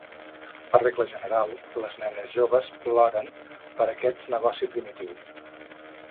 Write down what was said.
Per regla general, les nenes joves ploren per aquest negoci primitiu.